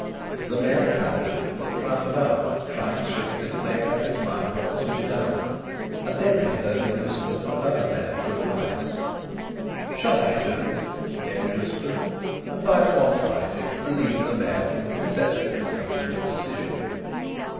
The Mayor of Hanbridge looked round about, trying swiftly to make up his mind what was to be done, and Denry heard him whisper to another mayor for advice. "Shall I do it?" Denry whispered, and by at once rising relieved the Mayor from the necessity of coming to a decision.